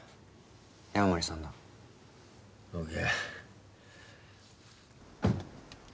山守さんだ。ＯＫ。